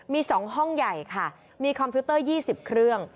มี๒ห้องใหญ่ค่ะมีคอมพิวเตอร์๒๐เครื่อง